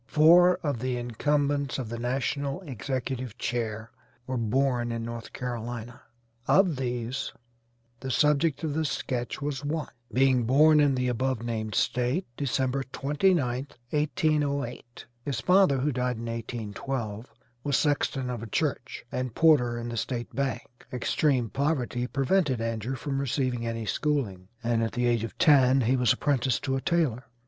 Four of the incumbents of the national executive chair were born in North Carolina. Of these, the subject of this sketch was one, being born in the above named State, December 29th, 1808. His father, who died in 1812, was sexton of a church and porter in the State bank. Extreme poverty prevented Andrew from receiving any schooling, and at the age of ten he was apprenticed to a tailor.